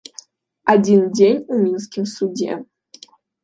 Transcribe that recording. Адзін дзень у мінскім судзе.